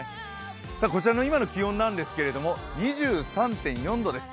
こちらの今の気温なんですけど２３．４度です。